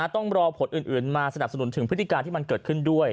ต้องรอผลอื่นมาสนับสนุนถึงพฤติการที่มันเกิดขึ้นด้วย